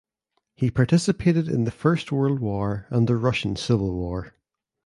He participated in the First World War and the Russian Civil War.